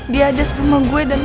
dia ada sama gue dan